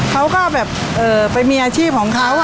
เขาก็แบบไปมีอาชีพของเขา